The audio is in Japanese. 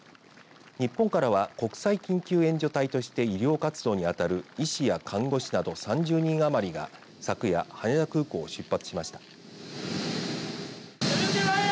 日本からは国際緊急援助隊として医療活動に当たる医師や看護師など３０人余りが昨夜、羽田空港を出発しました。